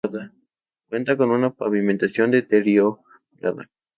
Cuenta con una pavimentación deteriorada.